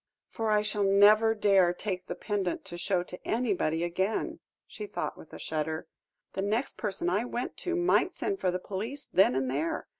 "For I shall never dare take the pendant to show to anybody again," she thought, with a shudder. "The next person I went to might send for the police then and there.